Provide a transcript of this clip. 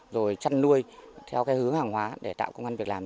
rồi chăn nuôi theo cái hướng hàng hóa để tạo công an việc làm